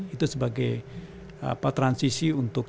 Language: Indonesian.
itu sebagai transisi untuk